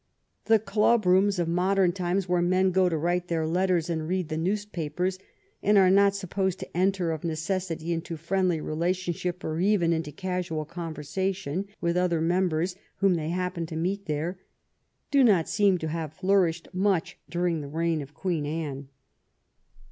The dub rooms of mod em times where men go to write their letters and read the newspapers, and are not supposed to enter of ne cessity into friendly relationship or even into casual conversation with other members whom they happen to meet there, do not seem to have flourished much during the reign of Queen Anne.